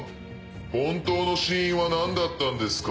本当の死因は何だったんですか？